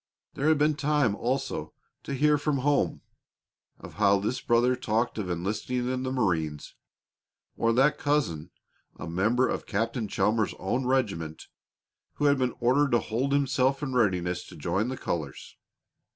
There had been time also, to hear from home of how this brother talked of enlisting in the marines, or that cousin, a member of Captain Chalmers's own regiment, who had been ordered to hold himself in readiness to join the colors.